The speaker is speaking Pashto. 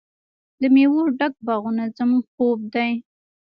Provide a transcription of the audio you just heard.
د میوو ډک باغونه زموږ خوب دی.